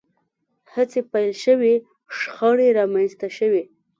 هڅې پیل شوې شخړې رامنځته شوې